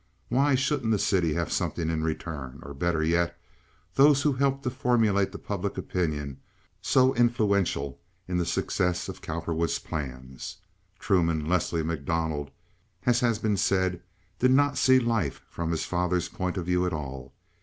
Why shouldn't the city have something in return; or, better yet, those who helped to formulate the public opinion, so influential in the success of Cowperwood's plans? Truman Leslie MacDonald, as has been said, did not see life from his father's point of view at all.